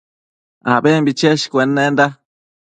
abembi cheshcuennenda